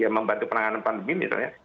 membantu penanganan pandemi misalnya